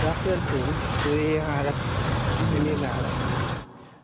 เพราะเพื่อนขึ้นคือแอฮารักษณ์ไม่มีปัญหาอะไร